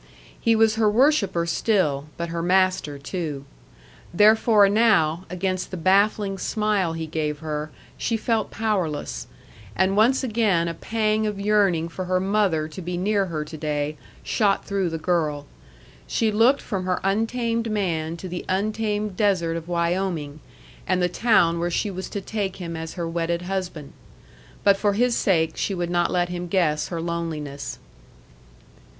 He was her worshipper still, but her master, too. Therefore now, against the baffling smile he gave her, she felt powerless. And once again a pang of yearning for her mother to be near her to day shot through the girl. She looked from her untamed man to the untamed desert of Wyoming, and the town where she was to take him as her wedded husband. But for his sake she would not let him guess her loneliness.